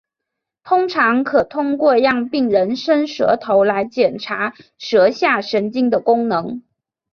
通常可通过让病人伸舌来检查舌下神经的功能。